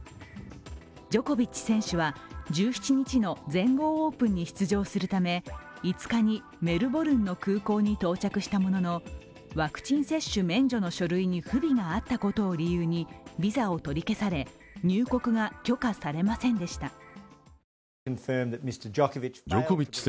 ジョコビッチ選手は、１７日の全豪オープンに出場するため５日にメルボルンの空港に到着したもののワクチン接種免除の書類に不備があったことを理由にビザを取り消され、入国が許可されませんでした。